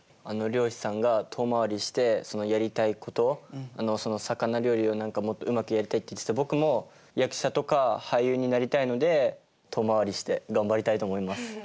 あの漁師さんが遠回りをしてやりたいこと魚料理をもっとうまくやりたいって言ってて僕も役者とか俳優になりたいので遠回りして頑張りたいと思います。